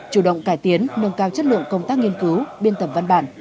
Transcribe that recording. chủ động cải tiến nâng cao chất lượng công tác nghiên cứu biên tẩm văn bản